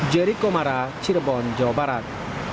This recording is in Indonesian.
jerry komara cirebon jawa barat